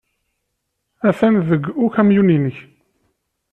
Atan deg ukamyun-nnek.